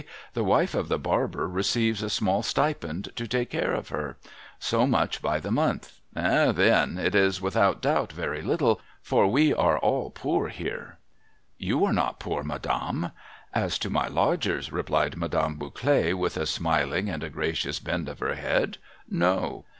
The wife of the barber receives a small stipend to take care of her. So much by the month. Eh, then ! It is without doubt very little, for we are all poor here.' ' You are not poor, madame.' 'As to my lodgers,' replied ]\Iadame Bouclet, with a smiling and a gracious bend of her head, ' no.